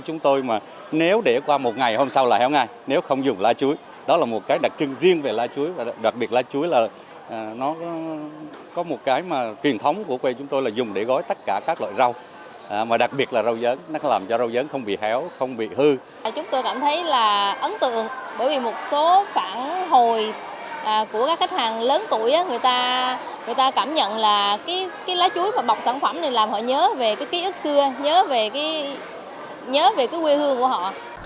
chúng tôi cảm thấy là ấn tượng bởi vì một số phản hồi của các khách hàng lớn tuổi người ta cảm nhận là cái lá chuối bọc sản phẩm này làm họ nhớ về cái ký ức xưa nhớ về cái quê hương của họ